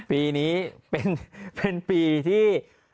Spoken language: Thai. ปีนี้เป็นปีที่